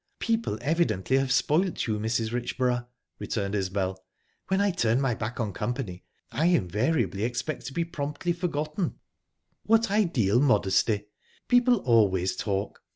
"People evidently have spoilt you, Mrs. Richborough," returned Isbel. "When I turn my back on company, I invariably expect to be promptly forgotten." "What ideal modesty! People always talk.